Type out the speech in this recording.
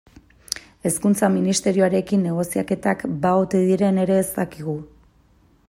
Hezkuntza Ministerioarekin negoziaketak ba ote diren ere ez dakigu.